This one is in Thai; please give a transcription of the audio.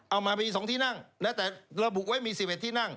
เอามามี๒ที่นั่งแล้วแต่ระบุไว้มี๑๑ที่นั่ง